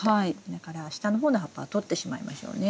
だから下の方の葉っぱはとってしまいましょうね。